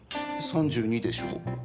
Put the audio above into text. ３２でしょ？